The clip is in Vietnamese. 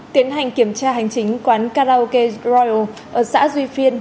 tiến hành kiểm tra hành chính quán karaoke dro ở xã duy phiên